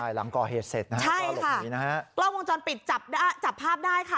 หลังก่อเหตุเสร็จนะครับใช่ค่ะกล้องวงจรปิดจับภาพได้ค่ะ